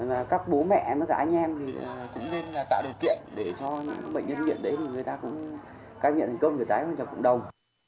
người ta cũng cao nhận thành công người ta và cho cộng đồng